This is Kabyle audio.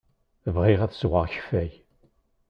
Bɣiɣ ad sweɣ akeffay.